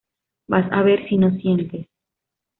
Vas a ver si no sientes.